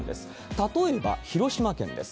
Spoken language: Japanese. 例えば、広島県です。